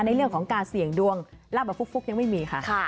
ในเรื่องของการเสี่ยงดวงลาบแบบฟุกยังไม่มีค่ะ